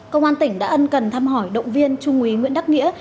công an tỉnh đã ân cần thăm hỏi động viên chương quý nguyễn đắc nghĩa